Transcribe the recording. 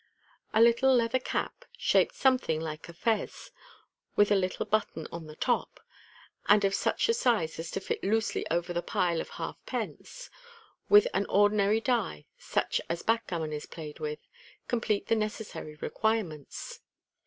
A. little leather cap (shaped something like a fez, with a little button on the top, and of such a size as to fit loosely over the pile of half pence), with an ordinary die, such as backgammon is played with, complete the necessary requirements.